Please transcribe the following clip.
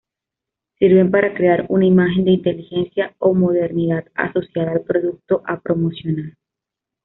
Sirven para crear una imagen de inteligencia o modernidad asociada al producto a promocionar.